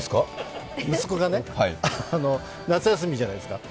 息子がね、夏休みじゃないですか。